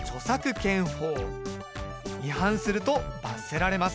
違反すると罰せられます。